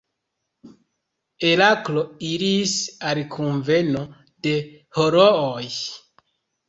Heraklo iris al kunveno de herooj.